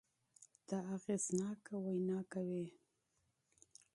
ته اغېزناکه وينه کوې